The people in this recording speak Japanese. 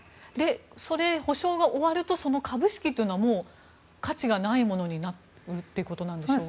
補償が終わるとその株式というのはもう価値がないものになるということなんでしょうか。